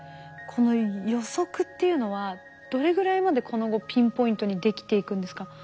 この予測っていうのはどれぐらいまでこの後ピンポイントにできていくんですか？